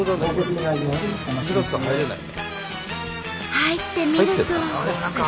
入ってみると。